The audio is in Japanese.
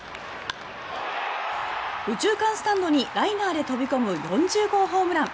右中間スタンドにライナーで飛び込む４０号ホームラン。